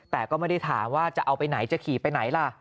แต่ก็ไม่ได้ถามว่าจะเอาไปไหนจะขี่ไปไหนล่ะ